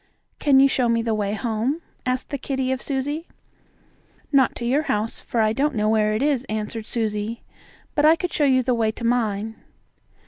"Can you show me the way home?" asked the kittie of Susie. "Not to your house, for I don't know where it is," answered Susie, "but I could show you the way to mine."